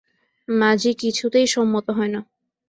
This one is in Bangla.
মাজি কিছুতেই সম্মত হয় না।